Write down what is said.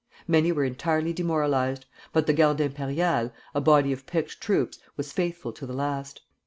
Many were entirely demoralized; but the Garde Impériale, a body of picked troops, was faithful to the last.